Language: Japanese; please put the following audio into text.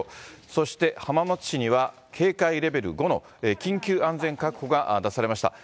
そして浜松市には、警戒レベル５の緊急安全確保が出されました。